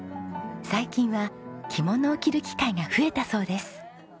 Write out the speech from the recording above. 最近は着物を着る機会が増えたそうです。